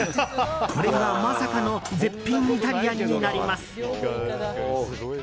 これが、まさかの絶品イタリアンになります。